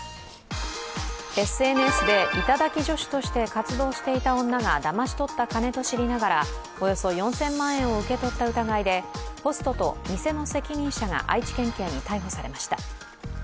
ＳＮＳで頂き女子として活動していた女がだまし取った金と知りながらおよそ４０００万円を受け取った疑いでホストと店の責任者が愛知県警に逮捕されました。